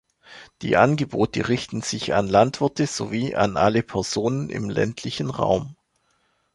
Die Angebote richten sich an Landwirte sowie an alle Personen im ländlichen Raum.